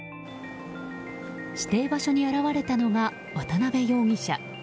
指定場所に現れたのが渡辺容疑者。